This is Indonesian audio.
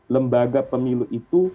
lembaga pemilu itu